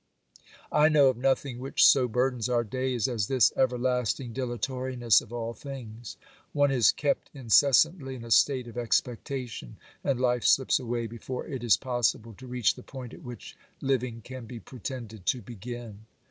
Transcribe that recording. I know of nothing which so burdens our days as this everlasting dilatoriness of all things. One is kept inces santly in a state of expectation, and life slips away before it is possible to reach the point at which living can be pretended to begin.